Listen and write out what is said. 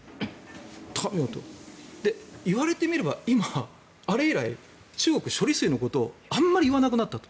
言われてみればあれ以来、中国は処理水のことをあまり言わなくなったと。